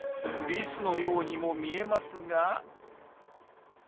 リスのようにも見えますが。